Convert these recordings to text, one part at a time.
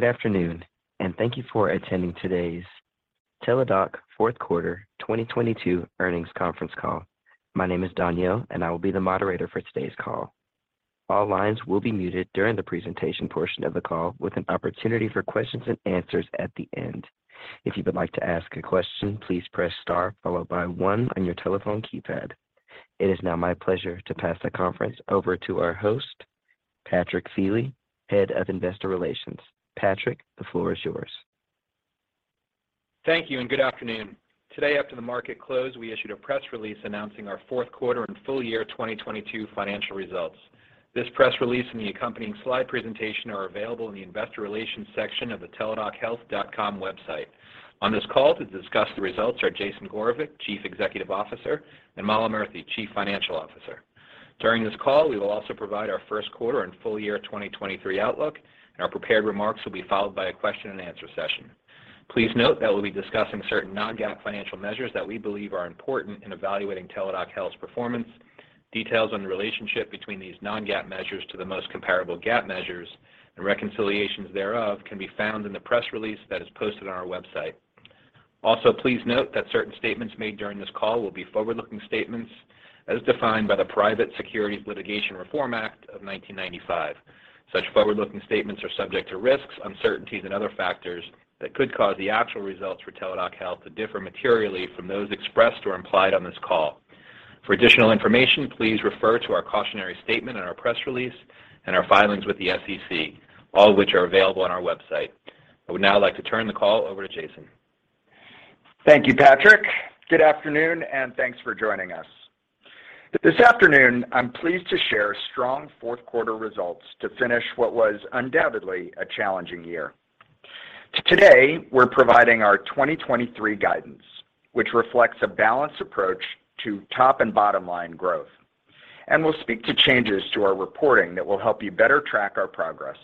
Good afternoon, thank you for attending today's Teladoc Q4 2022 earnings conference call. My name is Daniel, and I will be the moderator for today's call. All lines will be muted during the presentation portion of the call with an opportunity for questions and answers at the end. If you would like to ask a question, please press star one on your telephone keypad. It is now my pleasure to pass the conference over to our host, Patrick Feeley, Head of Investor Relations. Patrick, the floor is yours. Thank you. Good afternoon. Today, after the market closed, we issued a press release announcing our Q4 and full year 2022 financial results. This press release and the accompanying slide presentation are available in the investor relations section of the teladochealth.com website. On this call to discuss the results are Jason Gorevic, Chief Executive Officer, and Mala Murthy, Chief Financial Officer. During this call, we will also provide our Q1 and full year 2023 outlook. Our prepared remarks will be followed by a question and answer session. Please note that we'll be discussing certain non-GAAP financial measures that we believe are important in evaluating Teladoc Health's performance. Details on the relationship between these non-GAAP measures to the most comparable GAAP measures and reconciliations thereof can be found in the press release that is posted on our website. Please note that certain statements made during this call will be forward-looking statements as defined by the Private Securities Litigation Reform Act of 1995. Such forward-looking statements are subject to risks, uncertainties and other factors that could cause the actual results for Teladoc Health to differ materially from those expressed or implied on this call. For additional information, please refer to our cautionary statement in our press release and our filings with the SEC, all of which are available on our website. I would now like to turn the call over to Jason. Thank you, Patrick. Good afternoon, and thanks for joining us. This afternoon, I'm pleased to share strong Q4 results to finish what was undoubtedly a challenging year. Today, we're providing our 2023 guidance, which reflects a balanced approach to top and bottom line growth. We'll speak to changes to our reporting that will help you better track our progress.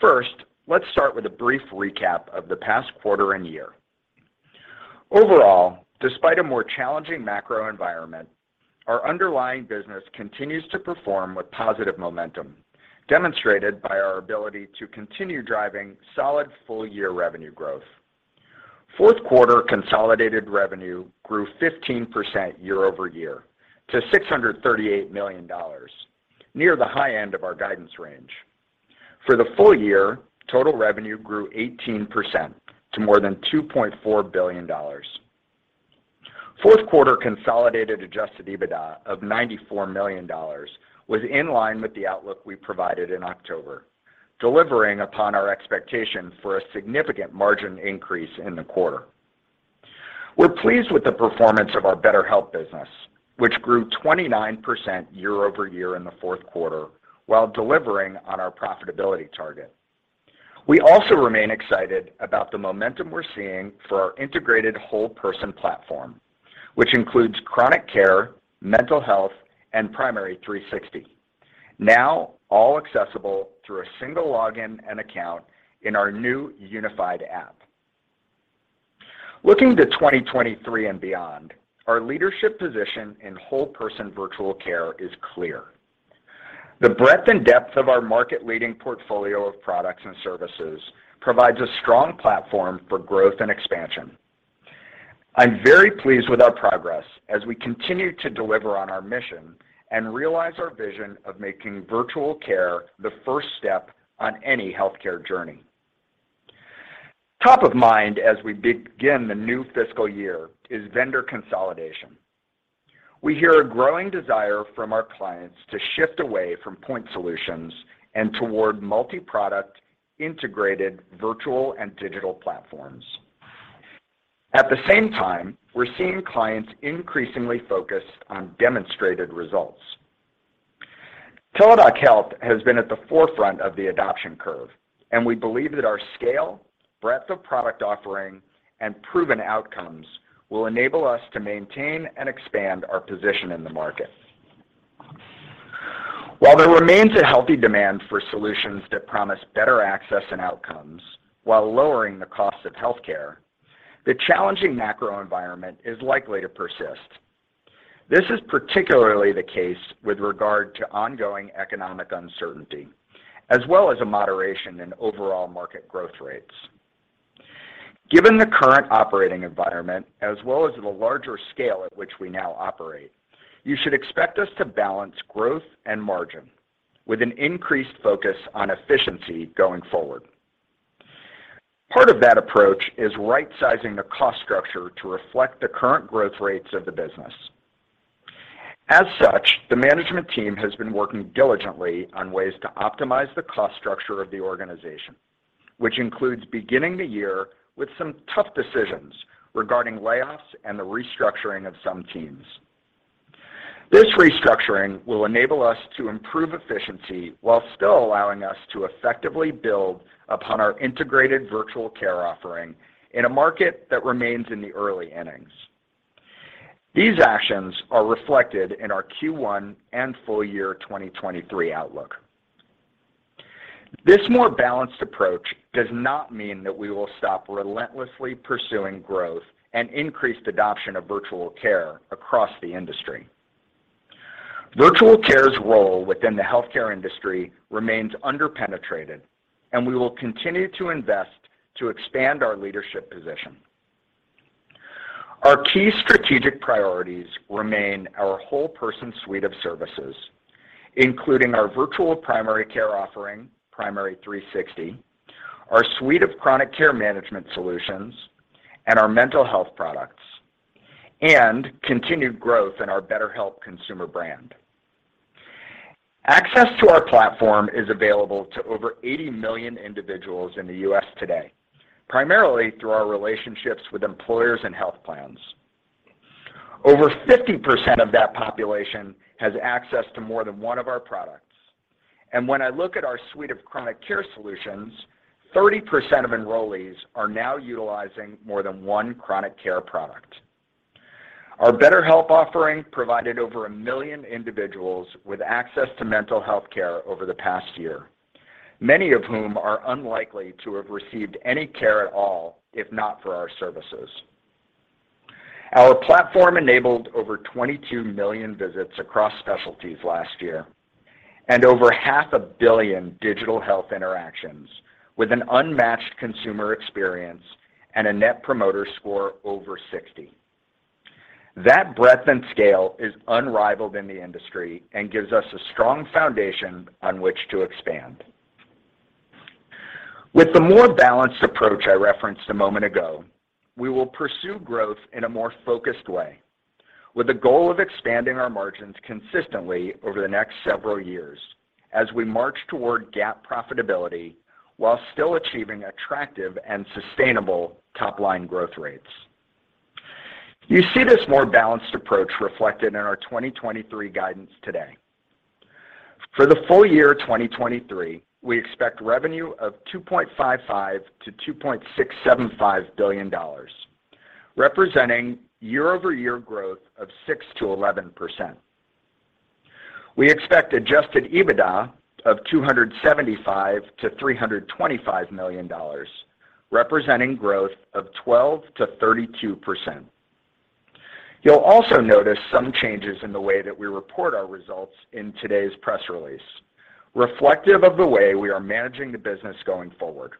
First, let's start with a brief recap of the past quarter and year. Overall, despite a more challenging macro environment, our underlying business continues to perform with positive momentum, demonstrated by our ability to continue driving solid full-year revenue growth. Q4 consolidated revenue grew 15% year-over-year to $638 million, near the high end of our guidance range. For the full-year, total revenue grew 18% to more than $2.4 billion. Q4 consolidated adjusted EBITDA of $94 million was in line with the outlook we provided in October, delivering upon our expectation for a significant margin increase in the quarter. We're pleased with the performance of our BetterHelp business, which grew 29% year-over-year in the Q4 while delivering on our profitability target. We also remain excited about the momentum we're seeing for our integrated whole person platform, which includes chronic care, mental health, and Primary360, now all accessible through a single login and account in our new unified app. Looking to 2023 and beyond, our leadership position in whole person virtual care is clear. The breadth and depth of our market-leading portfolio of products and services provides a strong platform for growth and expansion. I'm very pleased with our progress as we continue to deliver on our mission and realize our vision of making virtual care the first step on any healthcare journey. Top of mind as we begin the new fiscal year is vendor consolidation. We hear a growing desire from our clients to shift away from point solutions and toward multi-product integrated virtual and digital platforms. At the same time, we're seeing clients increasingly focused on demonstrated results. Teladoc Health has been at the forefront of the adoption curve, and we believe that our scale, breadth of product offering, and proven outcomes will enable us to maintain and expand our position in the market. While there remains a healthy demand for solutions that promise better access and outcomes while lowering the cost of healthcare, the challenging macro environment is likely to persist. This is particularly the case with regard to ongoing economic uncertainty, as well as a moderation in overall market growth rates. Given the current operating environment, as well as the larger scale at which we now operate, you should expect us to balance growth and margin with an increased focus on efficiency going forward. Part of that approach is right-sizing the cost structure to reflect the current growth rates of the business. As such, the management team has been working diligently on ways to optimize the cost structure of the organization, which includes beginning the year with some tough decisions regarding layoffs and the restructuring of some teams. This restructuring will enable us to improve efficiency while still allowing us to effectively build upon our integrated virtual care offering in a market that remains in the early innings. These actions are reflected in our Q1 and full year 2023 outlook. This more balanced approach does not mean that we will stop relentlessly pursuing growth and increased adoption of virtual care across the industry. Virtual care's role within the healthcare industry remains under-penetrated, and we will continue to invest to expand our leadership position. Our key strategic priorities remain our whole-person suite of services, including our virtual primary care offering, Primary360, our suite of chronic care management solutions, our mental health products, and continued growth in our BetterHelp consumer brand. Access to our platform is available to over 80 million individuals in the U.S. today, primarily through our relationships with employers and health plans. Over 50% of that population has access to more than one of our products. When I look at our suite of chronic care solutions, 30% of enrollees are now utilizing more than one chronic care product. Our BetterHelp offering provided over one million individuals with access to mental health care over the past year, many of whom are unlikely to have received any care at all if not for our services. Our platform enabled over 22 million visits across specialties last year and over half a billion digital health interactions with an unmatched consumer experience and a net promoter score over 60. That breadth and scale is unrivaled in the industry and gives us a strong foundation on which to expand. With the more balanced approach I referenced a moment ago, we will pursue growth in a more focused way, with the goal of expanding our margins consistently over the next several years as we march toward GAAP profitability while still achieving attractive and sustainable top-line growth rates. You see this more balanced approach reflected in our 2023 guidance today. For the full year 2023, we expect revenue of $2.55 billion-$2.675 billion, representing year-over-year growth of 6%-11%. We expect adjusted EBITDA of $275 million-$325 million, representing growth of 12%-32%. You'll also notice some changes in the way that we report our results in today's press release, reflective of the way we are managing the business going forward.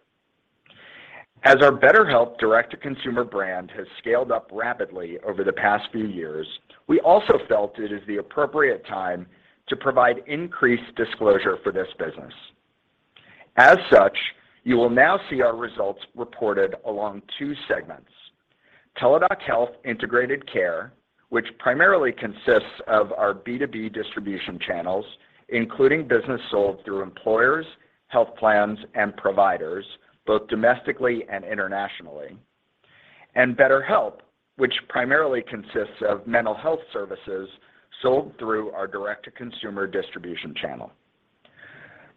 As our BetterHelp direct-to-consumer brand has scaled up rapidly over the past few years, we also felt it is the appropriate time to provide increased disclosure for this business. As such, you will now see our results reported along two segments: Teladoc Health Integrated Care, which primarily consists of our B2B distribution channels, including business sold through employers, health plans, and providers, both domestically and internationally, and BetterHelp, which primarily consists of mental health services sold through our direct-to-consumer distribution channel.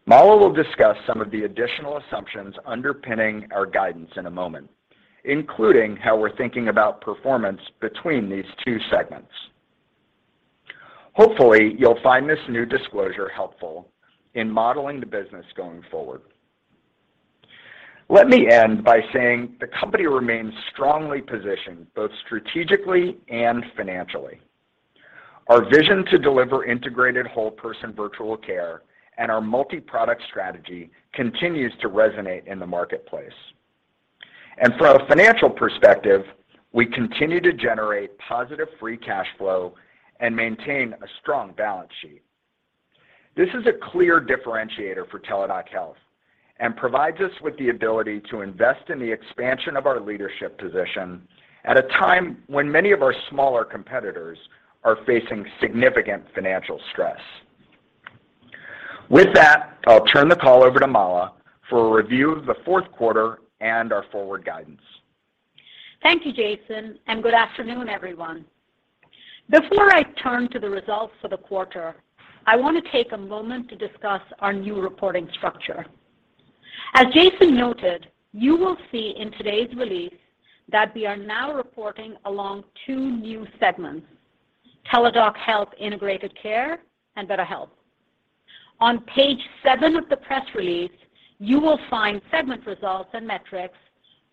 Mala will discuss some of the additional assumptions underpinning our guidance in a moment, including how we're thinking about performance between these two segments. Hopefully, you'll find this new disclosure helpful in modeling the business going forward. Let me end by saying the company remains strongly positioned, both strategically and financially. Our vision to deliver integrated whole-person virtual care and our multiproduct strategy continues to resonate in the marketplace. From a financial perspective, we continue to generate positive free cash flow and maintain a strong balance sheet. This is a clear differentiator for Teladoc Health and provides us with the ability to invest in the expansion of our leadership position at a time when many of our smaller competitors are facing significant financial stress. With that, I'll turn the call over to Mala for a review of the Q4 and our forward guidance. Thank you, Jason, and good afternoon, everyone. Before I turn to the results for the quarter, I want to take a moment to discuss our new reporting structure. As Jason noted, you will see in today's release that we are now reporting along two new segments, Teladoc Health Integrated Care and BetterHelp. On page seven of the press release, you will find segment results and metrics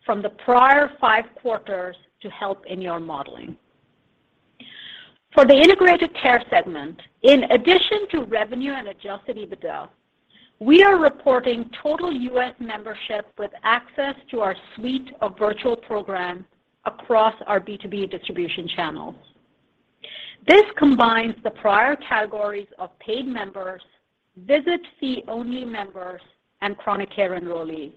from the prior five quarters to help in your modeling. For the Integrated Care segment, in addition to revenue and adjusted EBITDA, we are reporting total U.S. membership with access to our suite of virtual programs across our B2B distribution channels. This combines the prior categories of paid members, visit-fee-only members, and chronic care enrollees.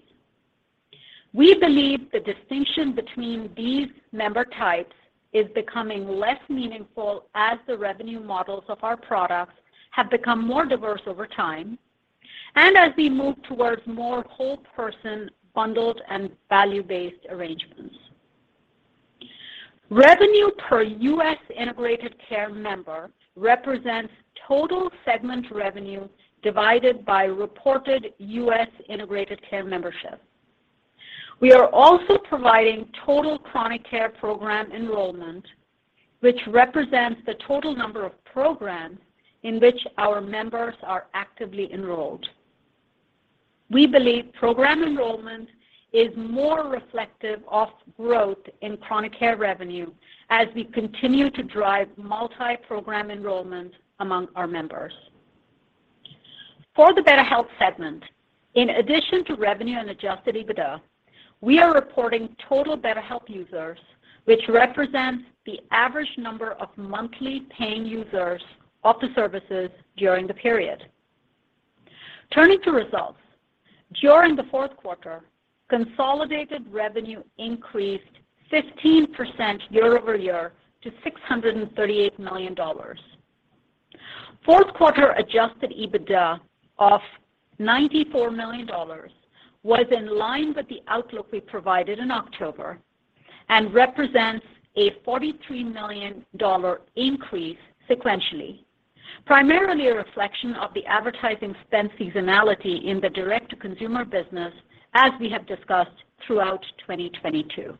We believe the distinction between these member types is becoming less meaningful as the revenue models of our products have become more diverse over time and as we move towards more whole-person bundled and value-based arrangements. Revenue per U.S. Integrated Care member represents total segment revenue divided by reported U.S. Integrated Care membership. We are also providing total chronic care program enrollment, which represents the total number of programs in which our members are actively enrolled. We believe program enrollment is more reflective of growth in chronic care revenue as we continue to drive multi-program enrollment among our members. For the BetterHelp segment, in addition to revenue and adjusted EBITDA, we are reporting total BetterHelp users, which represents the average number of monthly paying users of the services during the period. Turning to results. During the Q4, consolidated revenue increased 15% year-over-year to $638 million. Q4 adjusted EBITDA of $94 million was in line with the outlook we provided in October and represents a $43 million increase sequentially, primarily a reflection of the advertising spend seasonality in the direct-to-consumer business, as we have discussed throughout 2022.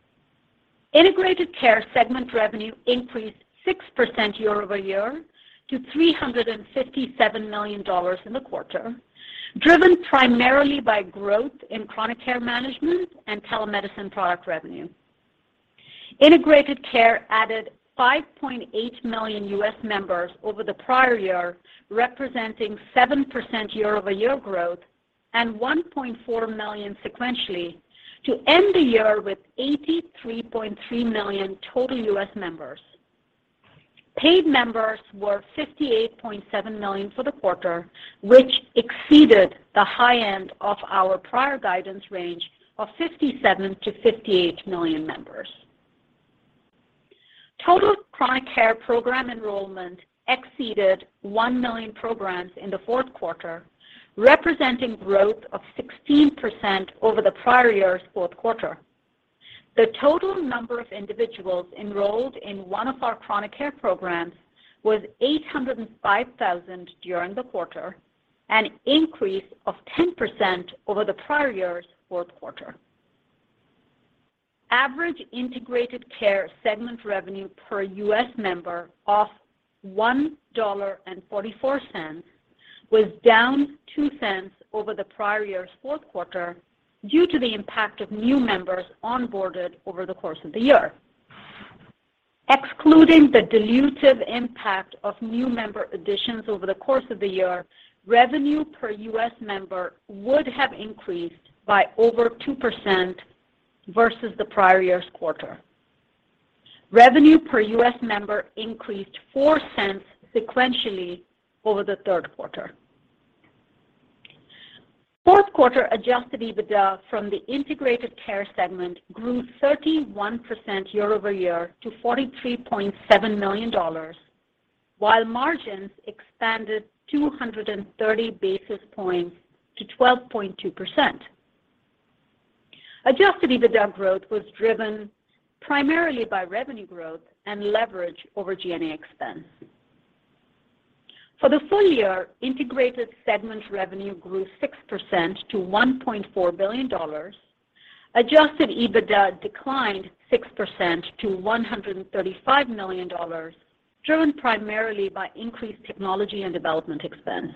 Integrated Care segment revenue increased 6% year-over-year to $357 million in the quarter, driven primarily by growth in chronic care management and telemedicine product revenue. Integrated Care added 5.8 million U.S. members over the prior year, representing 7% year-over-year growth and 1.4 million sequentially to end the year with 83.3 million total U.S. members. Paid members were 58.7 million for the quarter, which exceeded the high end of our prior guidance range of 57 million-58 million members. Total chronic care program enrollment exceeded one million programs in the Q4, representing growth of 16% over the prior year's Q4. The total number of individuals enrolled in one of our chronic care programs was 805,000 during the quarter, an increase of 10% over the prior year's Q4. Average Integrated Care segment revenue per U.S. member of $1.44 was down $0.02 over the prior year's Q4 due to the impact of new members onboarded over the course of the year. Excluding the dilutive impact of new member additions over the course of the year, revenue per U.S. member would have increased by over 2% versus the prior year's quarter. Revenue per U.S. member increased $0.04 sequentially over the Q3. Q4 adjusted EBITDA from the Integrated Care segment grew 31% year-over-year to $43.7 million, while margins expanded 230 basis points to 12.2%. Adjusted EBITDA growth was driven primarily by revenue growth and leverage over G&A expense. For the full year, Integrated segment revenue grew 6% to $1.4 billion. Adjusted EBITDA declined 6% to $135 million, driven primarily by increased technology and development expense.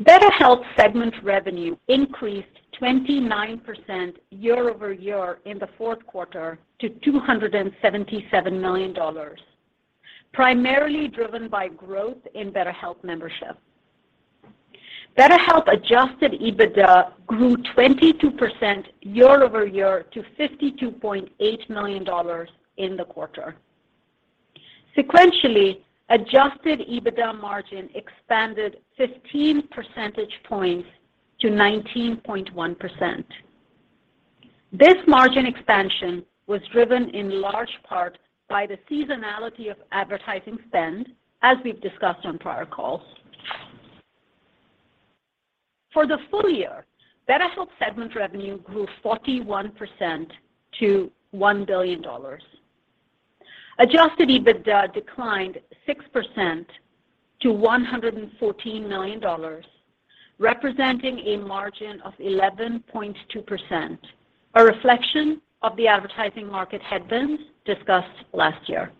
Better Health segment revenue increased 29% year-over-year in the Q4 to $277 million, primarily driven by growth in Better Health membership. Better Health adjusted EBITDA grew 22% year-over-year to $52.8 million in the quarter. Sequentially, adjusted EBITDA margin expanded 15 percentage points to 19.1%. This margin expansion was driven in large part by the seasonality of advertising spend, as we've discussed on prior calls. For the full year, Better Health segment revenue grew 41% to $1 billion. Adjusted EBITDA declined 6% to $114 million, representing a margin of 11.2%, a reflection of the advertising market headwinds discussed last year.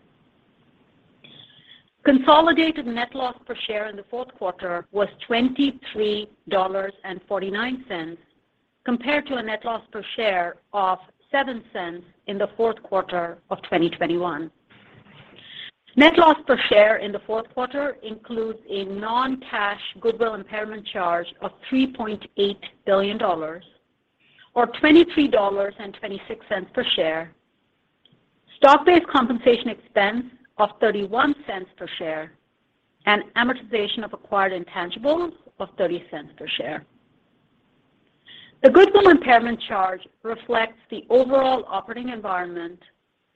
Consolidated net loss per share in the Q4 was $23.49, compared to a net loss per share of $0.07 in the Q4 of 2021. Net loss per share in the Q4 includes a non-cash goodwill impairment charge of $3.8 billion or $23.26 per share, stock-based compensation expense of $0.31 per share, and amortization of acquired intangibles of $0.30 per share. The goodwill impairment charge reflects the overall operating environment,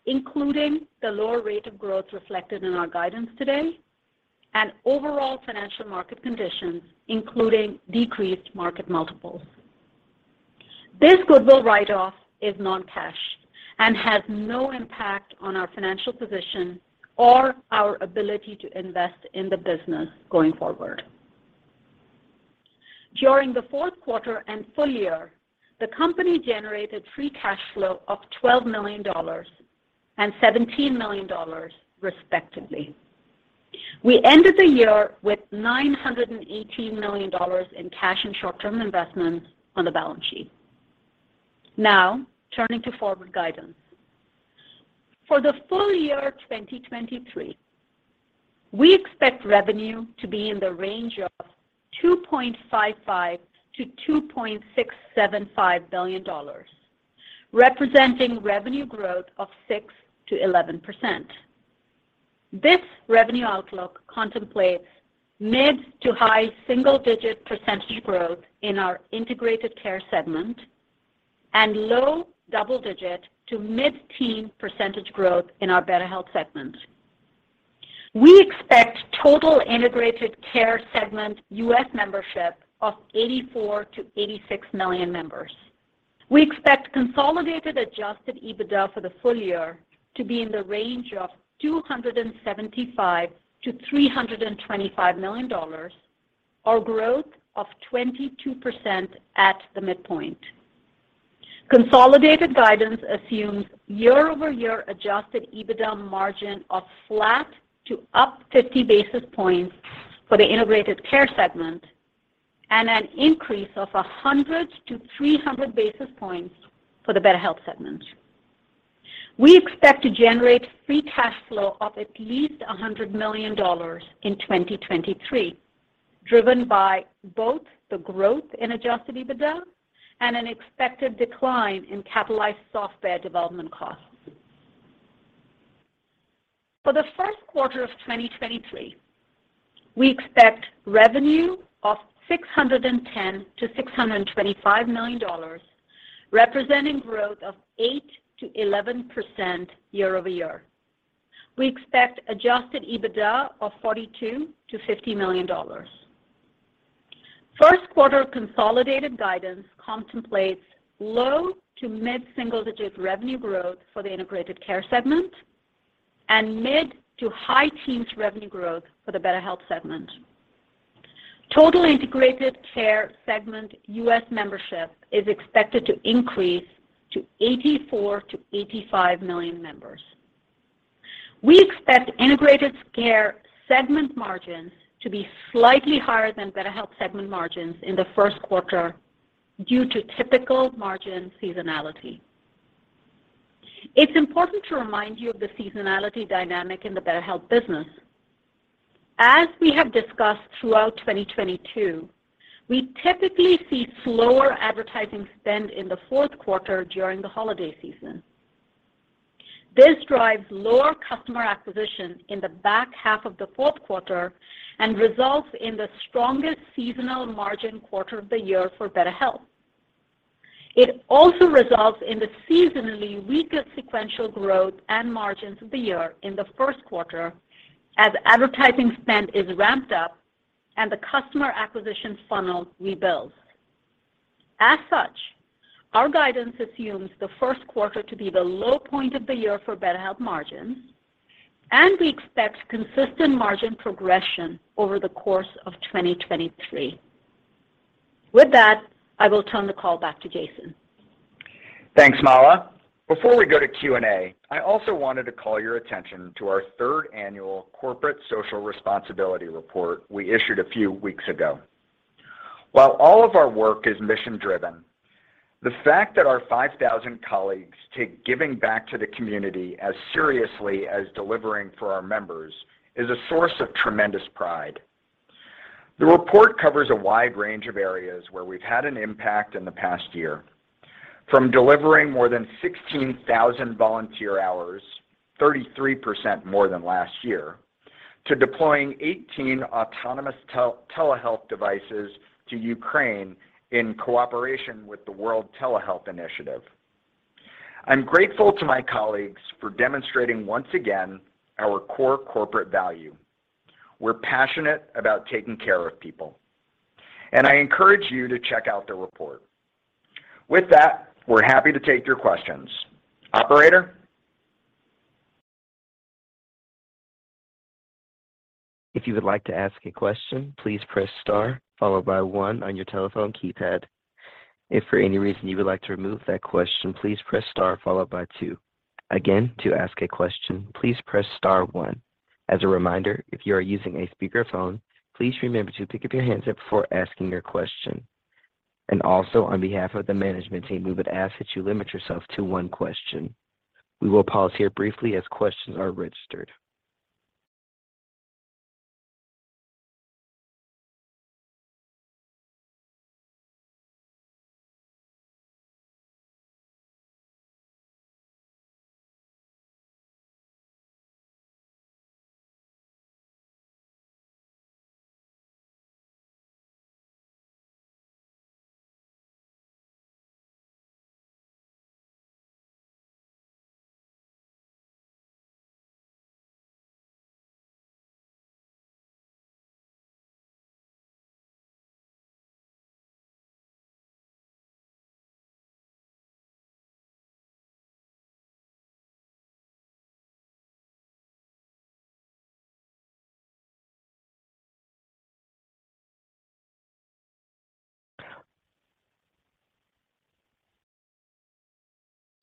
including the lower rate of growth reflected in our guidance today and overall financial market conditions, including decreased market multiples. This goodwill write off is non-cash and has no impact on our financial position or our ability to invest in the business going forward. During the Q4 and full year, the company generated free cash flow of $12 million. $17 million respectively. We ended the year with $918 million in cash and short-term investments on the balance sheet. Now, turning to forward guidance. For the full year 2023, we expect revenue to be in the range of $2.55 billion-$2.675 billion, representing revenue growth of 6%-11%. This revenue outlook contemplates mid to high single-digit % growth in our Integrated Care segment and low double-digit to mid-teen % growth in our BetterHelp segment. We expect total Integrated Care segment U.S. membership of 84 million-86 million members. We expect consolidated adjusted EBITDA for the full year to be in the range of $275 million-$325 million, or growth of 22% at the midpoint. Consolidated guidance assumes year-over-year adjusted EBITDA margin of flat to up 50 basis points for the Integrated Care segment and an increase of 100-300 basis points for the BetterHelp segment. We expect to generate free cash flow of at least $100 million in 2023, driven by both the growth in adjusted EBITDA and an expected decline in capitalized software development costs. For the Q1 of 2023, we expect revenue of $610 million-$625 million, representing growth of 8%-11% year-over-year. We expect adjusted EBITDA of $42 million-$50 million. Q1 consolidated guidance contemplates low to mid-single-digit revenue growth for the Integrated Care segment and mid-to-high teens revenue growth for the BetterHelp segment. Total Integrated Care segment U.S. membership is expected to increase to 84 million-85 million members. We expect Integrated Care segment margins to be slightly higher than BetterHelp segment margins in the Q1 due to typical margin seasonality. It's important to remind you of the seasonality dynamic in the BetterHelp business. As we have discussed throughout 2022, we typically see slower advertising spend in the Q4 during the holiday season. This drives lower customer acquisition in the back half of the Q4 and results in the strongest seasonal margin quarter of the year for BetterHelp. It also results in the seasonally weakest sequential growth and margins of the year in the Q1 as advertising spend is ramped up and the customer acquisition funnel rebuilds. As such, our guidance assumes the Q1 to be the low point of the year for BetterHelp margins, and we expect consistent margin progression over the course of 2023. With that, I will turn the call back to Jason. Thanks, Mala. Before we go to Q&A, I also wanted to call your attention to our third annual Corporate Social Responsibility Report we issued a few weeks ago. While all of our work is mission-driven, the fact that our 5,000 colleagues take giving back to the community as seriously as delivering for our members is a source of tremendous pride. The report covers a wide range of areas where we've had an impact in the past year. From delivering more than 16,000 volunteer hours, 33% more than last year, to deploying 18 autonomous telehealth devices to Ukraine in cooperation with the World Telehealth Initiative. I'm grateful to my colleagues for demonstrating once again our core corporate value. We're passionate about taking care of people, and I encourage you to check out the report. With that, we're happy to take your questions. Operator? If you would like to ask a question, please press star followed by one on your telephone keypad. If for any reason you would like to remove that question, please press star followed by two. Again, to ask a question, please press star one. As a reminder, if you are using a speakerphone, please remember to pick up your handset before asking your question. And also, on behalf of the management team, we would ask that you limit yourself to one question. We will pause here briefly as questions are registered.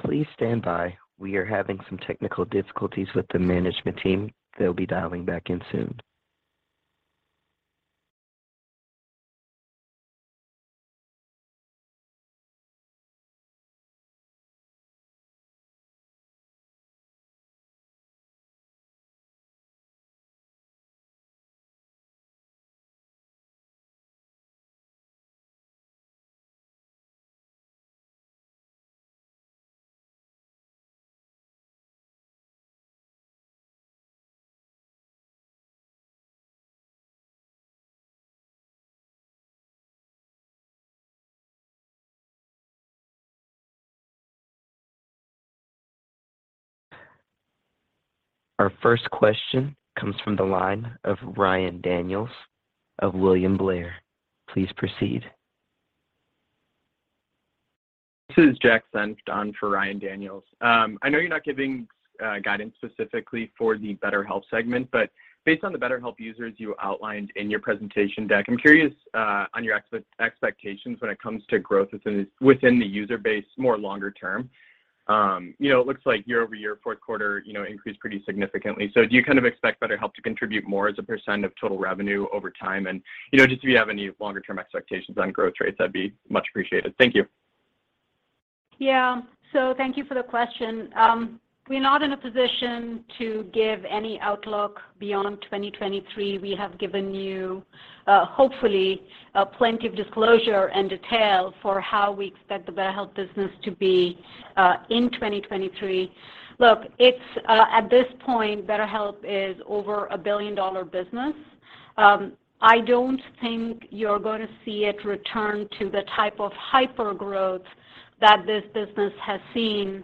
Please stand by. We are having some technical difficulties with the management team. They'll be dialing back in soon. Our first question comes from the line of Ryan Daniels of William Blair. Please proceed. This is Jack Sundon for Ryan Daniels. I know you're not giving guidance specifically for the BetterHelp segment, but based on the BetterHelp users you outlined in your presentation deck, I'm curious on your expectations when it comes to growth within the user base, more longer term. You know, it looks like year-over-year, Q4, you know, increased pretty significantly. Do you kind of expect BetterHelp to contribute more as a % of total revenue over time? You know, just if you have any longer-term expectations on growth rates, that'd be much appreciated. Thank you. Thank you for the question. We're not in a position to give any outlook beyond 2023. We have given you, hopefully, plenty of disclosure and detail for how we expect the BetterHelp business to be in 2023. Look, it's at this point, BetterHelp is over a billion-dollar business. I don't think you're gonna see it return to the type of hyper-growth that this business has seen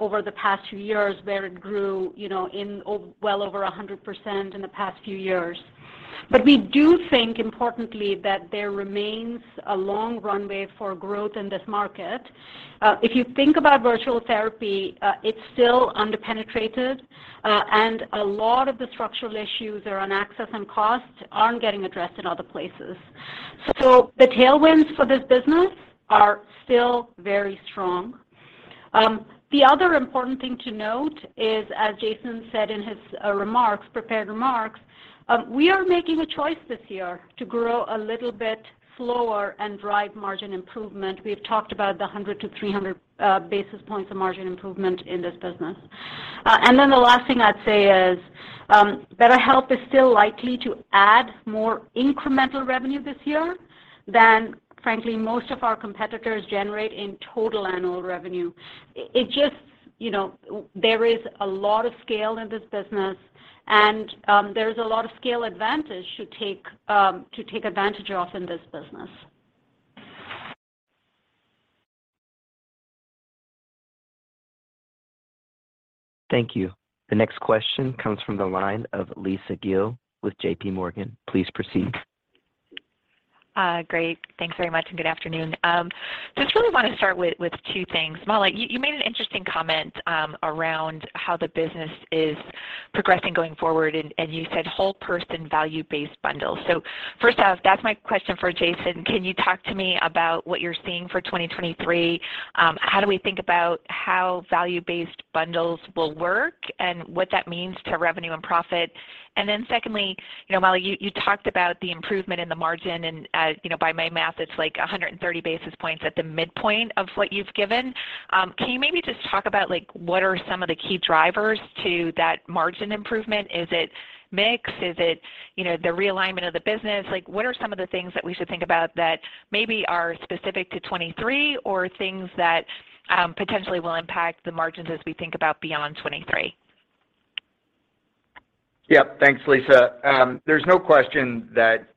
over the past few years where it grew, you know, well over 100% in the past few years. We do think, importantly, that there remains a long runway for growth in this market. If you think about virtual therapy, it's still under-penetrated, and a lot of the structural issues around access and cost aren't getting addressed in other places. The tailwinds for this business are still very strong. The other important thing to note is, as Jason said in his remarks, prepared remarks, we are making a choice this year to grow a little bit slower and drive margin improvement. We've talked about the 100 to 300 basis points of margin improvement in this business. The last thing I'd say is, BetterHelp is still likely to add more incremental revenue this year than, frankly, most of our competitors generate in total annual revenue. It just, you know, there is a lot of scale in this business, and there's a lot of scale advantage to take to take advantage of in this business. Thank you. The next question comes from the line of Lisa Gill with J.P. Morgan. Please proceed. Great. Thanks very much, good afternoon. I just really wanna start with two things. Mala, you made an interesting comment around how the business is progressing going forward, and you said whole person value-based bundles. First off, that's my question for Jason. Can you talk to me about what you're seeing for 2023? How do we think about how value-based bundles will work and what that means to revenue and profit? Secondly, you know, Mala, you talked about the improvement in the margin and, you know, by my math, it's like 130 basis points at the midpoint of what you've given. Can you maybe just talk about, like, what are some of the key drivers to that margin improvement? Is it mix? Is it, you know, the realignment of the business? What are some of the things that we should think about that maybe are specific to 2023 or things that potentially will impact the margins as we think about beyond 2023? Thanks, Lisa. There's no question that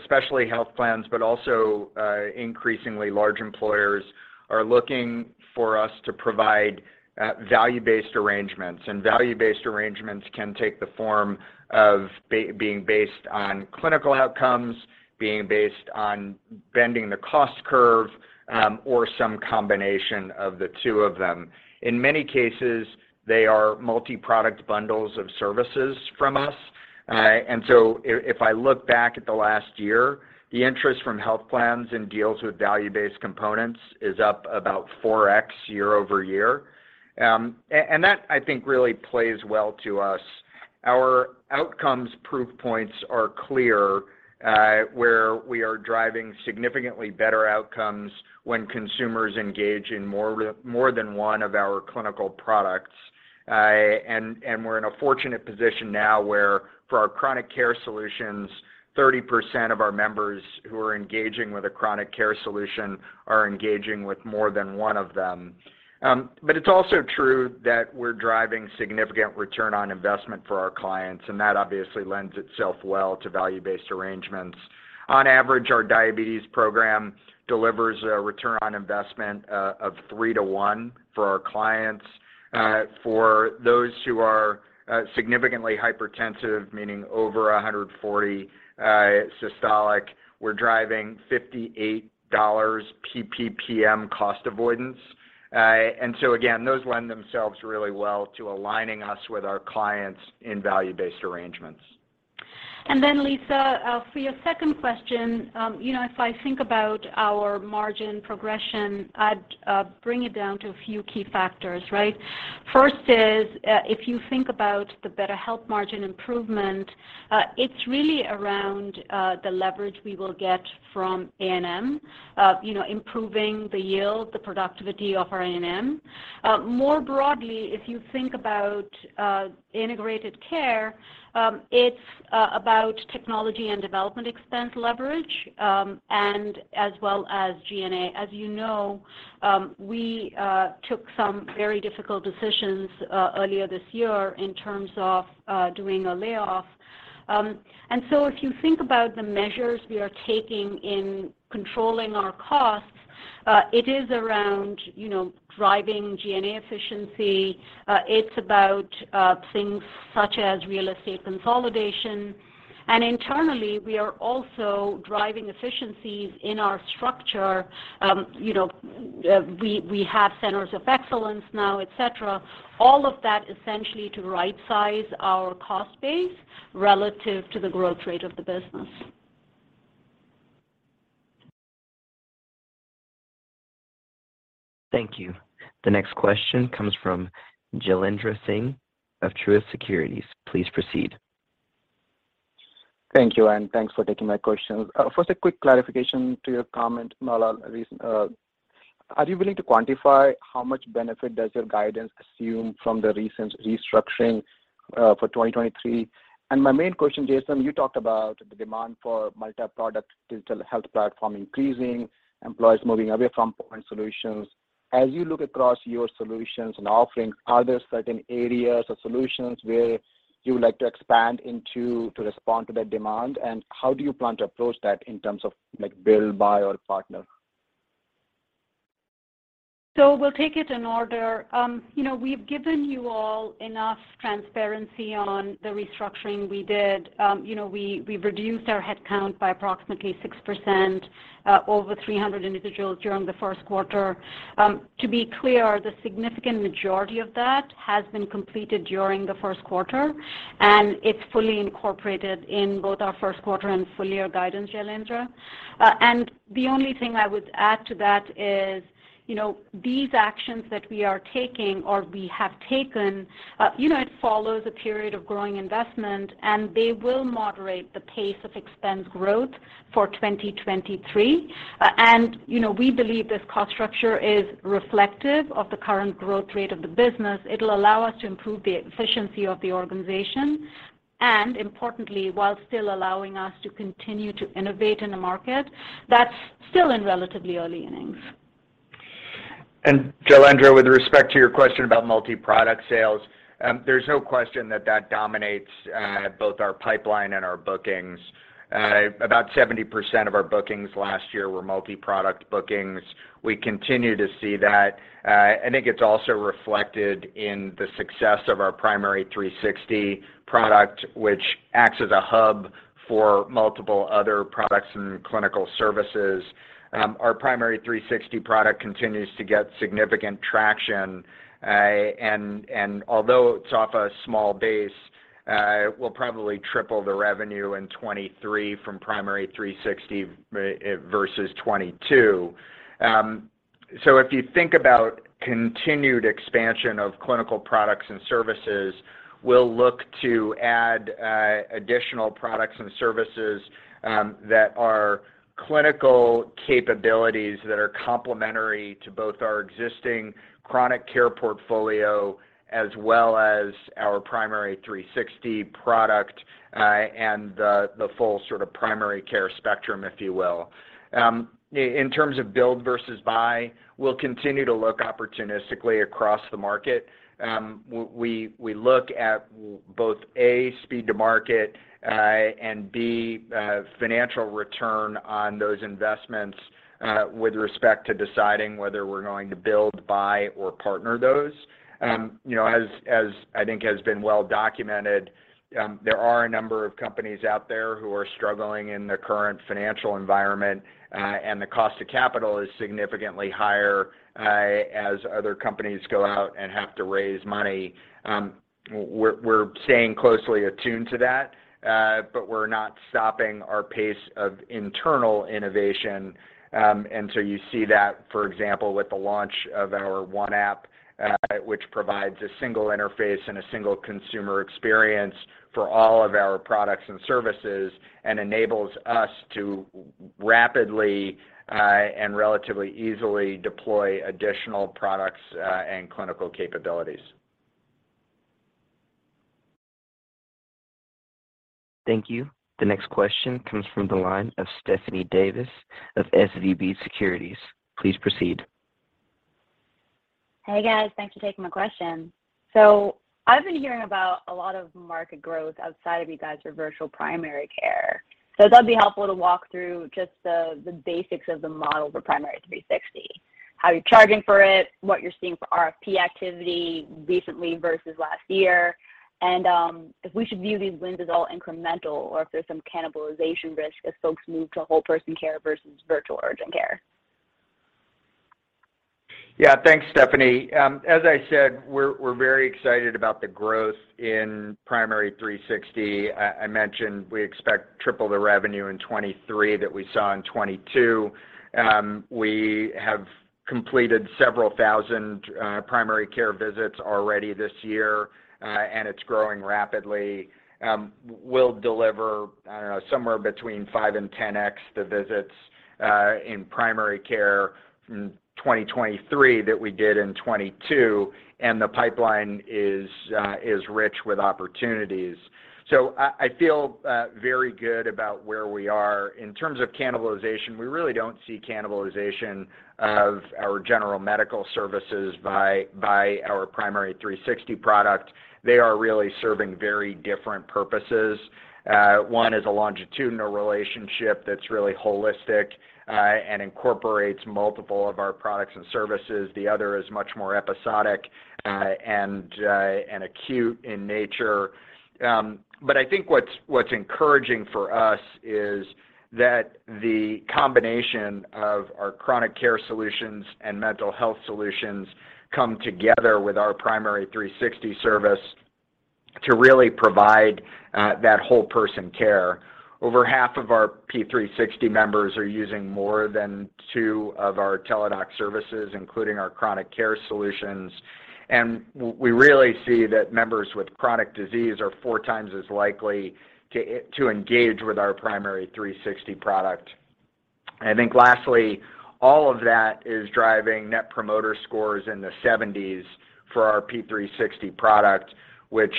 especially health plans, but also increasingly large employers are looking for us to provide value-based arrangements. Value-based arrangements can take the form of being based on clinical outcomes, being based on bending the cost curve, or some combination of the two of them. In many cases, they are multi-product bundles of services from us. If I look back at the last year, the interest from health plans and deals with value-based components is up about 4x year-over-year. That I think really plays well to us. Our outcomes proof points are clear, where we are driving significantly better outcomes when consumers engage in more than one of our clinical products. We're in a fortunate position now where for our chronic care solutions, 30% of our members who are engaging with a chronic care solution are engaging with more than one of them. It's also true that we're driving significant return on investment for our clients, and that obviously lends itself well to value-based arrangements. On average, our diabetes program delivers a return on investment of three to one for our clients. For those who are significantly hypertensive, meaning over 140 systolic, we're driving $58 PPPM cost avoidance. Again, those lend themselves really well to aligning us with our clients in value-based arrangements. Lisa, for your second question, you know, if I think about our margin progression, I'd bring it down to a few key factors, right? First is, if you think about the BetterHelp margin improvement, it's really around the leverage we will get from ANM, you know, improving the yield, the productivity of our ANM. More broadly, if you think about Integrated Care, it's about technology and development expense leverage, and as well as G&A. As you know, we took some very difficult decisions earlier this year in terms of doing a layoff. If you think about the measures we are taking in controlling our costs, it is around, you know, driving G&A efficiency. It's about things such as real estate consolidation. Internally, we are also driving efficiencies in our structure. You know, we have centers of excellence now, et cetera. All of that essentially to right size our cost base relative to the growth rate of the business. Thank you. The next question comes from Jailendra Singh of Truist Securities. Please proceed. Thank you, and thanks for taking my questions. First, a quick clarification to your comment, Mala. Are you willing to quantify how much benefit does your guidance assume from the recent restructuring for 2023? My main question, Jason, you talked about the demand for multi-product digital health platform increasing, employees moving away from point solutions. As you look across your solutions and offerings, are there certain areas or solutions where you would like to expand into to respond to that demand? How do you plan to approach that in terms of, like, build, buy or partner? We'll take it in order. You know, we've given you all enough transparency on the restructuring we did. You know, we reduced our headcount by approximately 6%, over 300 individuals during the Q1. To be clear, the significant majority of that has been completed during the Q1, and it's fully incorporated in both our Q1 and full year guidance, JaiIendra. The only thing I would add to that is, you know, these actions that we are taking or we have taken, you know, it follows a period of growing investment, and they will moderate the pace of expense growth for 2023. We believe this cost structure is reflective of the current growth rate of the business. It'll allow us to improve the efficiency of the organization, and importantly, while still allowing us to continue to innovate in a market that's still in relatively early innings. Jailendra, with respect to your question about multi-product sales, there's no question that that dominates both our pipeline and our bookings. About 70% of our bookings last year were multi-product bookings. We continue to see that. I think it's also reflected in the success of our Primary360 product, which acts as a hub for multiple other products and clinical services. Our Primary360 product continues to get significant traction. And although it's off a small base, we'll probably triple the revenue in 23 from Primary360 versus 22. If you think about continued expansion of clinical products and services, we'll look to add additional products and services that are clinical capabilities that are complementary to both our existing chronic care portfolio as well as our Primary360 product and the full sort of primary care spectrum, if you will. In terms of build versus buy, we'll continue to look opportunistically across the market. We look at both, A, speed to market, and B, financial return on those investments with respect to deciding whether we're going to build, buy or partner those. You know, as I think has been well documented, there are a number of companies out there who are struggling in the current financial environment, and the cost of capital is significantly higher, as other companies go out and have to raise money. We're staying closely attuned to that, but we're not stopping our pace of internal innovation. You see that, for example, with the launch of our One App, which provides a single interface and a single consumer experience for all of our products and services and enables us to rapidly and relatively easily deploy additional products and clinical capabilities. Thank you. The next question comes from the line of Stephanie Davis of SVB Securities. Please proceed. Hey, guys. Thanks for taking my question. I've been hearing about a lot of market growth outside of you guys' virtual primary care. That'd be helpful to walk through just the basics of the model for Primary360, how you're charging for it, what you're seeing for RFP activity recently versus last year, and if we should view these wins as all incremental or if there's some cannibalization risk as folks move to whole person care versus virtual urgent care. Thanks, Stephanie. As I said, we're very excited about the growth in Primary360. I mentioned we expect triple the revenue in 2023 that we saw in 2022. We have completed several thousand primary care visits already this year, and it's growing rapidly. We'll deliver, I don't know, somewhere between five and 10x the visits in primary care in 2023 that we did in 2022, and the pipeline is rich with opportunities. I feel very good about where we are. In terms of cannibalization, we really don't see cannibalization of our general medical services by our Primary360 product. They are really serving very different purposes. One is a longitudinal relationship that's really holistic, and incorporates multiple of our products and services. The other is much more episodic, and acute in nature. I think what's encouraging for us is that the combination of our chronic care solutions and mental health solutions come together with our Primary360 service to really provide that whole person care. Over 0.5 of our P360 members are using more than two of our Teladoc Health services, including our chronic care solutions. We really see that members with chronic disease are four times as likely to engage with our Primary360 product. I think lastly, all of that is driving net promoter scores in the 70s for our P360 product, which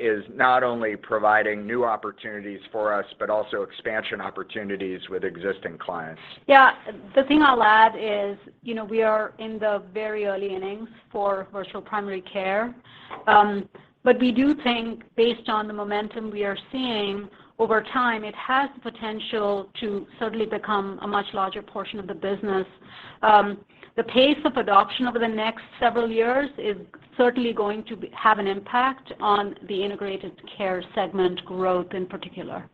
is not only providing new opportunities for us, but also expansion opportunities with existing clients. Yeah. The thing I'll add is, you know, we are in the very early innings for virtual primary care. We do think based on the momentum we are seeing, over time, it has the potential to certainly become a much larger portion of the business. The pace of adoption over the next several years is certainly going to have an impact on the Integrated Care segment growth in particular.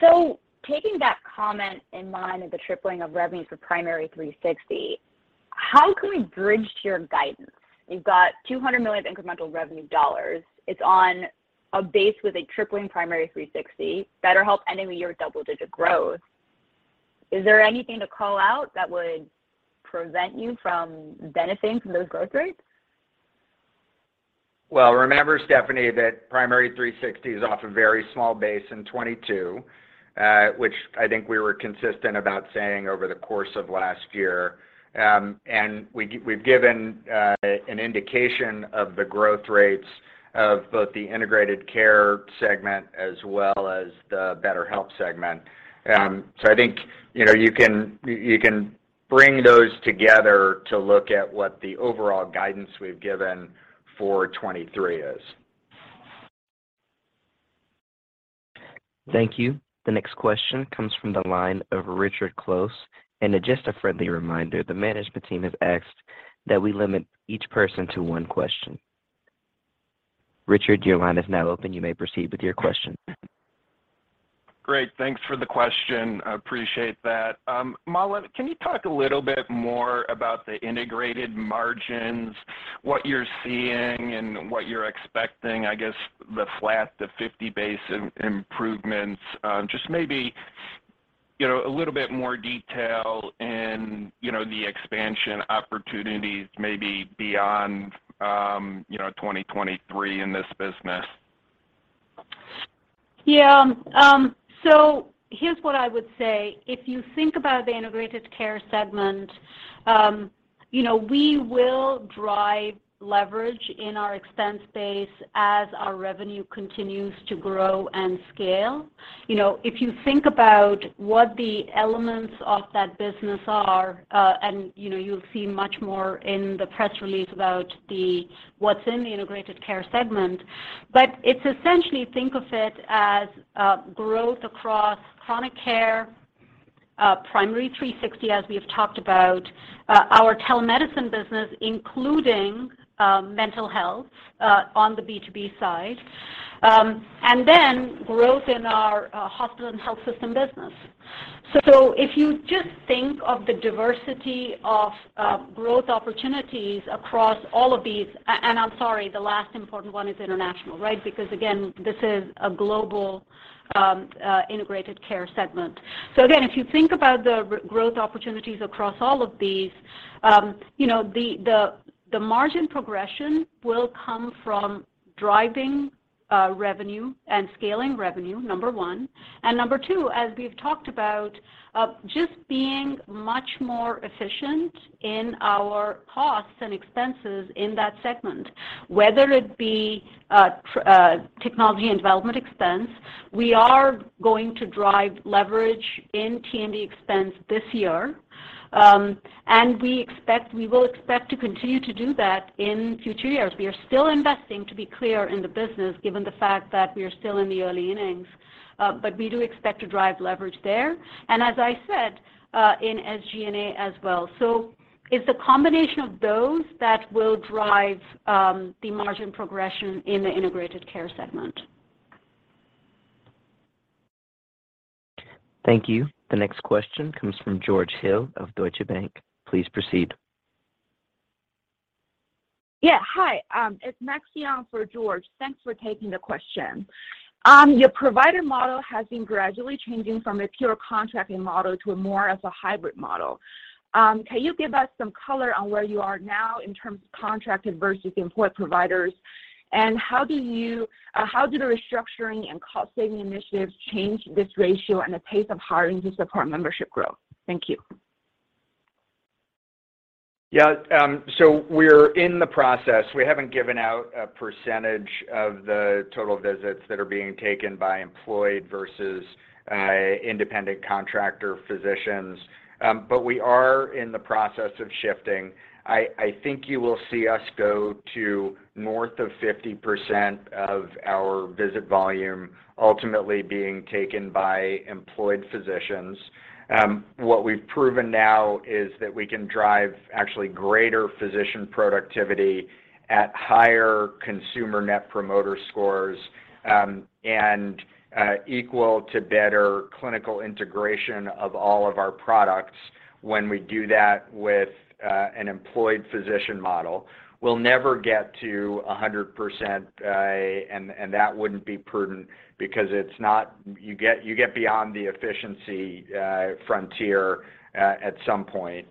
Taking that comment in mind of the tripling of revenue for Primary360, how can we bridge to your guidance? You've got $200 million incremental revenue dollars. It's on a base with a tripling Primary360. BetterHelp ending the year with double-digit growth. Is there anything to call out that would prevent you from benefiting from those growth rates? Well, remember, Stephanie, that Primary360 is off a very small base in 2022, which I think we were consistent about saying over the course of last year. We've, we've given an indication of the growth rates of both the Integrated Care segment as well as the BetterHelp segment. I think, you know, you can, you can bring those together to look at what the overall guidance we've given for 2023 is. Thank you. The next question comes from the line of Richard Close. Just a friendly reminder, the management team has asked that we limit each person to one question. Richard, your line is now open. You may proceed with your question. Great. Thanks for the question. I appreciate that. Mala, can you talk a little bit more about the integrated margins, what you're seeing and what you're expecting? I guess the flat to 50 base improvements, just maybe, you know, a little bit more detail in, you know, the expansion opportunities maybe beyond, you know, 2023 in this business? Yeah. Here's what I would say. If you think about the Teladoc Health Integrated Care segment, you know, we will drive leverage in our expense base as our revenue continues to grow and scale. You know, if you think about what the elements of that business are, you know, you'll see much more in the press release about the what's in the Teladoc Health Integrated Care segment. It's essentially think of it as growth across chronic care, Primary360, as we have talked about, our telemedicine business, including mental health on the B2B side, and then growth in our hospital and health system business. If you just think of the diversity of growth opportunities across all of these... I'm sorry, the last important one is international, right? Again, this is a global, integrated care segment. Again, if you think about the growth opportunities across all of these, you know, the margin progression will come from driving, revenue and scaling revenue, number one. Number two, as we've talked about, just being much more efficient in our costs and expenses in that segment, whether it be, technology and development expense. We are going to drive leverage in T&D expense this year, and we will expect to continue to do that in future years. We are still investing, to be clear, in the business, given the fact that we are still in the early innings, but we do expect to drive leverage there, and as I said, in SG&A as well. It's a combination of those that will drive, the margin progression in the Integrated Care segment. Thank you. The next question comes from George Hill of Deutsche Bank. Please proceed. Hi, it's Maxion for George. Thanks for taking the question. Your provider model has been gradually changing from a pure contracting model to a more as a hybrid model. Can you give us some color on where you are now in terms of contracted versus employed providers? How do the restructuring and cost-saving initiatives change this ratio and the pace of hiring to support membership growth? Thank you. Yeah, we're in the process. We haven't given out a percentage of the total visits that are being taken by employed versus independent contractor physicians. We are in the process of shifting. I think you will see us go to north of 50% of our visit volume ultimately being taken by employed physicians. What we've proven now is that we can drive actually greater physician productivity at higher consumer net promoter scores, and equal to better clinical integration of all of our products when we do that with an employed physician model. We'll never get to 100%, that wouldn't be prudent because you get beyond the efficiency frontier at some point.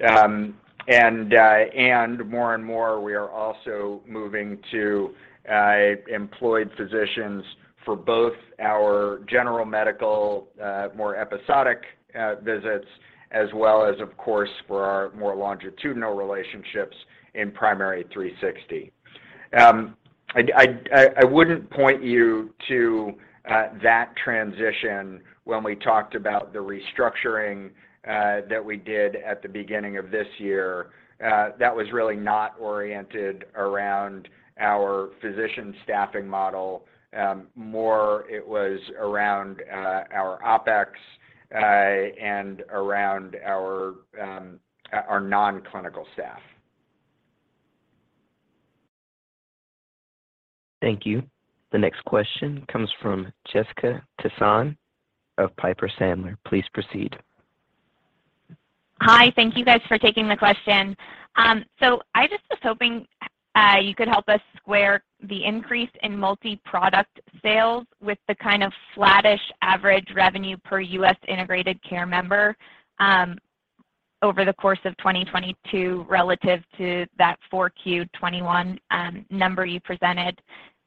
More and more, we are also moving to employed physicians for both our general medical, more episodic, visits, as well as, of course, for our more longitudinal relationships in Primary360. I wouldn't point you to that transition when we talked about the restructuring that we did at the beginning of this year. That was really not oriented around our physician staffing model. More it was around our OpEx and around our non-clinical staff. Thank you. The next question comes from Jessica Tassan of Piper Sandler. Please proceed. Hi. Thank you guys for taking the question. I just was hoping you could help us square the increase in multi-product sales with the kind of flattish average revenue per U.S. integrated care member over the course of 2022 relative to that 4Q 2021 number you presented.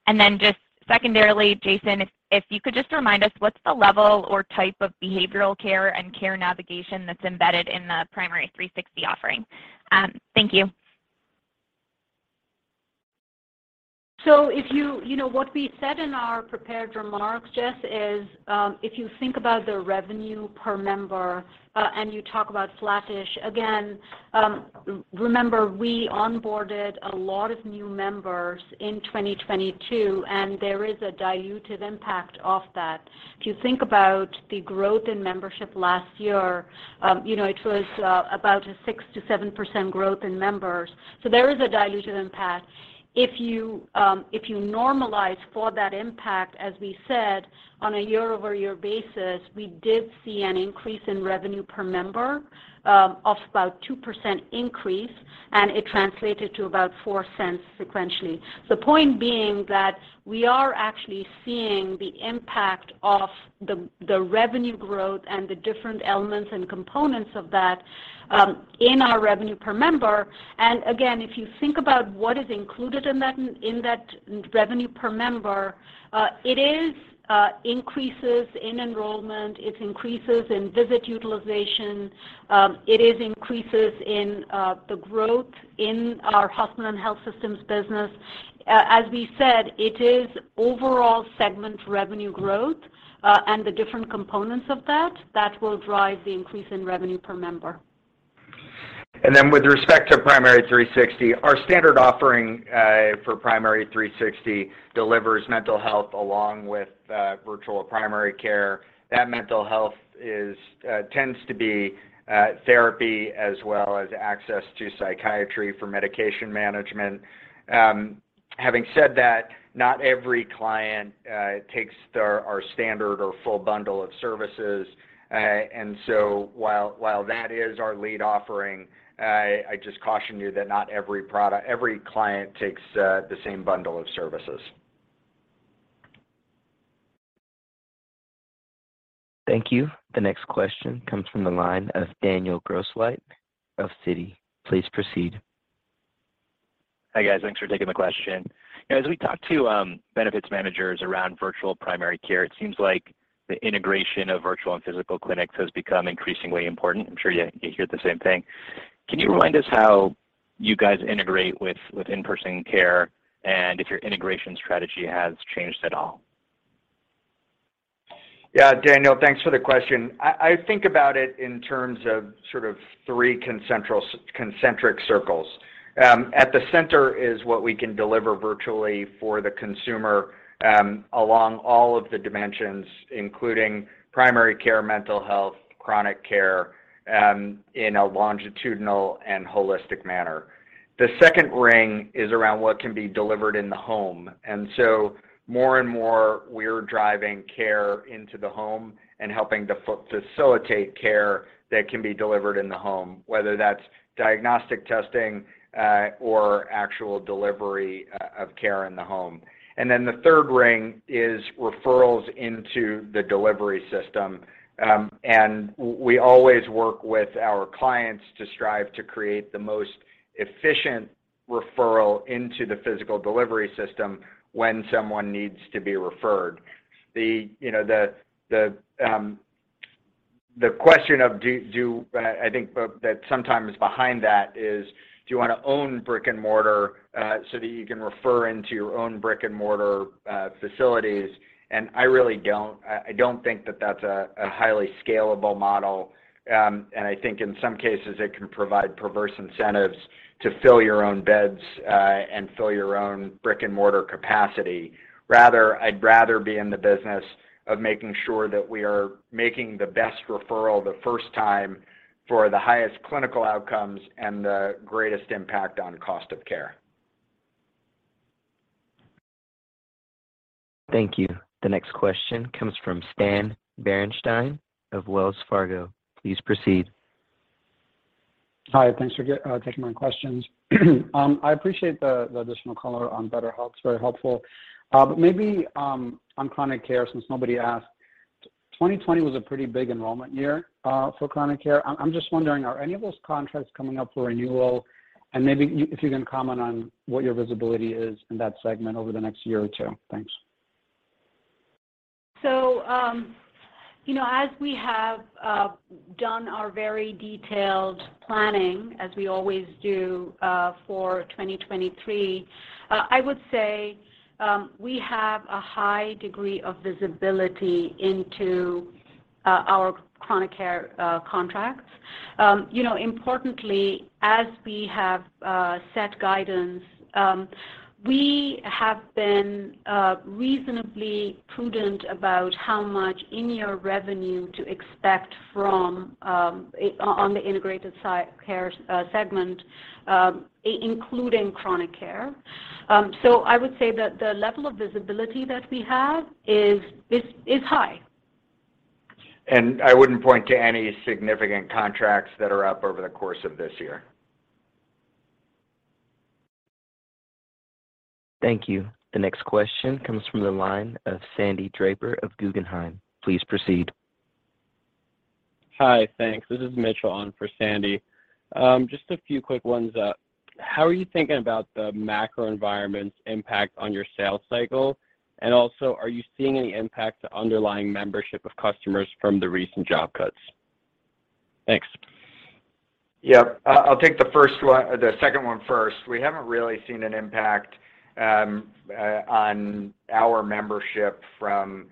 Then just secondarily, Jason, if you could just remind us what's the level or type of behavioral care and care navigation that's embedded in the Primary360 offering? Thank you. You know, what we said in our prepared remarks, Jess, is, if you think about the revenue per member, and you talk about flattish, again, remember we onboarded a lot of new members in 2022, and there is a dilutive impact of that. If you think about the growth in membership last year, you know, it was about a 6%-7% growth in members. There is a dilutive impact. If you, if you normalize for that impact, as we said, on a year-over-year basis, we did see an increase in revenue per member, of about a 2% increase, and it translated to about $0.04 sequentially. The point being that we are actually seeing the impact of the revenue growth and the different elements and components of that, in our revenue per member. Again, if you think about what is included in that in that revenue per member, it is increases in enrollment, it's increases in visit utilization, it is increases in the growth in our hospital and health systems business. As we said, it is overall segment revenue growth, and the different components of that will drive the increase in revenue per member. With respect to Primary360, our standard offering, for Primary360 delivers mental health along with virtual primary care. That mental health tends to be therapy as well as access to psychiatry for medication management. Having said that, not every client takes our standard or full bundle of services. While that is our lead offering, I just caution you that not every client takes the same bundle of services. Thank you. The next question comes from the line of Daniel Grosslight of Citi. Please proceed. Hi, guys. Thanks for taking the question. As we talk to benefits managers around virtual primary care, it seems like the integration of virtual and physical clinics has become increasingly important. I'm sure you hear the same thing. Sure. Can you remind us how you guys integrate with in-person care and if your integration strategy has changed at all? Yeah, Daniel, thanks for the question. I think about it in terms of sort of three concentric circles. At the center is what we can deliver virtually for the consumer, along all of the dimensions, including primary care, mental health, chronic care, in a longitudinal and holistic manner. The second ring is around what can be delivered in the home. More and more, we're driving care into the home and helping to facilitate care that can be delivered in the home, whether that's diagnostic testing, or actual delivery of care in the home. The third ring is referrals into the delivery system. We always work with our clients to strive to create the most efficient referral into the physical delivery system when someone needs to be referred. The, you know, the question of do. I think that sometimes behind that is do you wanna own brick-and-mortar so that you can refer into your own brick-and-mortar facilities? I really don't. I don't think that that's a highly scalable model. I think in some cases it can provide perverse incentives to fill your own beds and fill your own brick-and-mortar capacity. Rather, I'd rather be in the business of making sure that we are making the best referral the first time for the highest clinical outcomes and the greatest impact on cost of care. Thank you. The next question comes from Stan Berenshteyn of Wells Fargo. Please proceed. Hi, thanks for taking my questions. I appreciate the additional color on BetterHelp. It's very helpful. Maybe on chronic care, since nobody asked. 2020 was a pretty big enrollment year for chronic care. I'm just wondering, are any of those contracts coming up for renewal? Maybe if you can comment on what your visibility is in that segment over the next year or two. Thanks. You know, as we have done our very detailed planning, as we always do, for 2023, I would say, we have a high degree of visibility into our chronic care contracts. You know, importantly, as we have set guidance, we have been reasonably prudent about how much in-year revenue to expect from on the Integrated Care segment, including chronic care. I would say that the level of visibility that we have is high. I wouldn't point to any significant contracts that are up over the course of this year. Thank you. The next question comes from the line of Sandy Draper of Guggenheim. Please proceed. Hi, thanks. This is Mitchell on for Sandy. Just a few quick ones up. How are you thinking about the macro environment's impact on your sales cycle? Also, are you seeing any impact to underlying membership of customers from the recent job cuts? Thanks. I'll take the second one first. We haven't really seen an impact on our membership from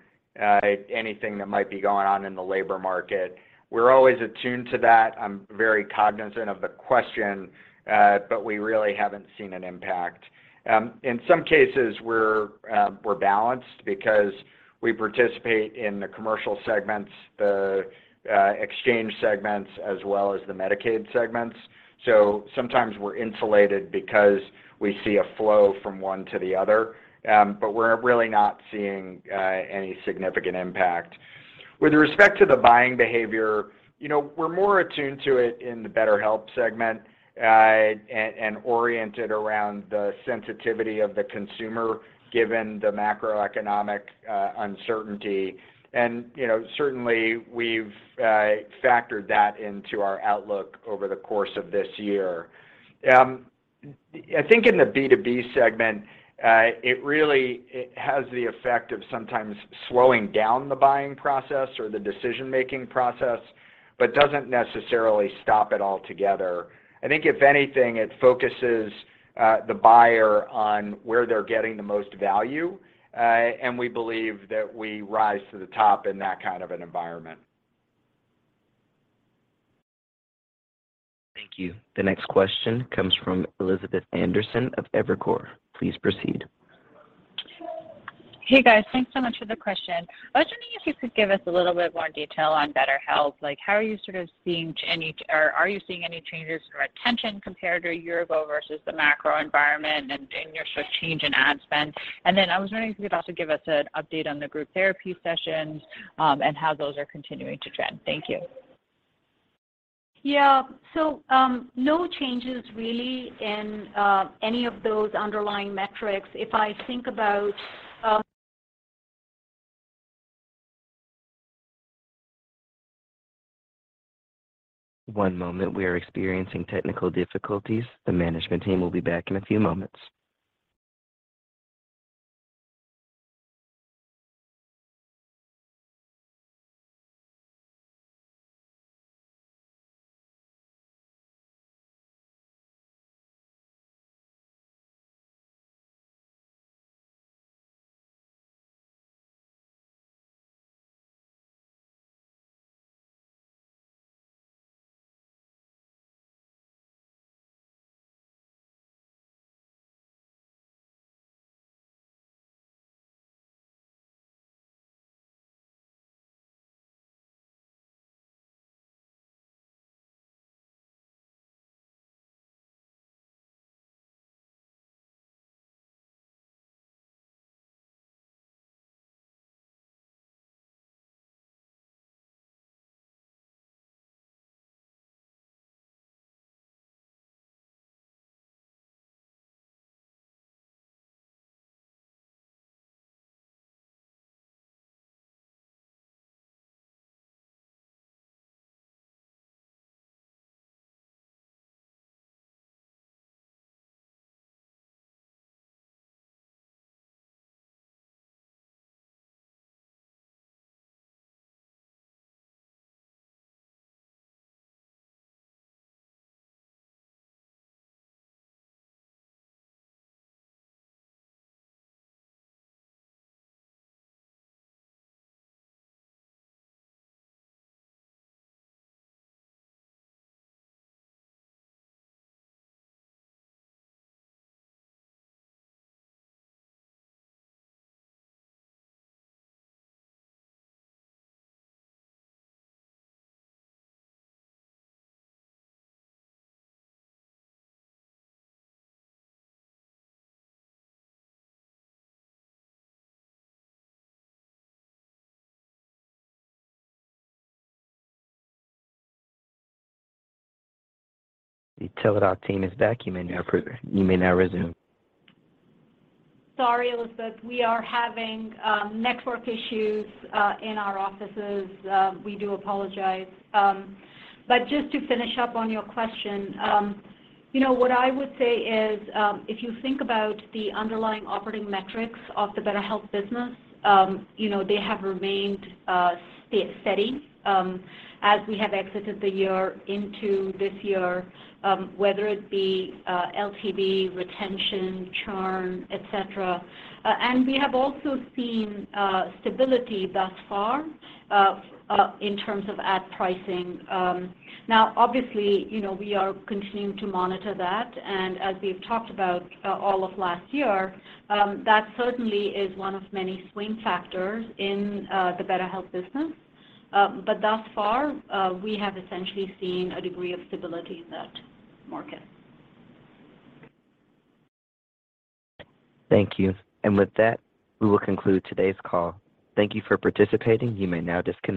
anything that might be going on in the labor market. We're always attuned to that. I'm very cognizant of the question, but we really haven't seen an impact. In some cases we're balanced because we participate in the commercial segments, the exchange segments, as well as the Medicaid segments. So sometimes we're insulated because we see a flow from one to the other. But we're really not seeing any significant impact. With respect to the buying behavior, you know, we're more attuned to it in the BetterHelp segment, and oriented around the sensitivity of the consumer, given the macroeconomic uncertainty. You know, certainly we've factored that into our outlook over the course of this year. I think in the B2B segment, it really, it has the effect of sometimes slowing down the buying process or the decision-making process, but doesn't necessarily stop it altogether. I think if anything, it focuses the buyer on where they're getting the most value, and we believe that we rise to the top in that kind of an environment. Thank you. The next question comes from Elizabeth Anderson of Evercore. Please proceed. Hey, guys. Thanks so much for the question. I was wondering if you could give us a little bit more detail on BetterHelp. Like, how are you sort of seeing any changes to retention compared to a year ago versus the macro environment and in you sort of change in ad spend? I was wondering if you could also give us an update on the group therapy sessions and how those are continuing to trend. Thank you. Yeah. No changes really in any of those underlying metrics. If I think about. One moment. We are experiencing technical difficulties. The management team will be back in a few moments. Telit, our team is back. You may now resume. Sorry, Elizabeth. We are having network issues in our offices. We do apologize. Just to finish up on your question, you know, what I would say is, if you think about the underlying operating metrics of the BetterHelp business, you know, they have remained steady as we have exited the year into this year, whether it be LTV, retention, churn, et cetera. We have also seen stability thus far in terms of ad pricing. Obviously, you know, we are continuing to monitor that. As we've talked about all of last year, that certainly is one of many swing factors in the BetterHelp business. Thus far, we have essentially seen a degree of stability in that market. Thank you. With that, we will conclude today's call. Thank you for participating. You may now disconnect.